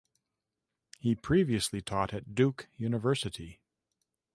He previously taught at Duke University.